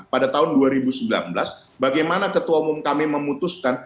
pada tahun dua ribu sembilan belas bagaimana ketua umum kami memutuskan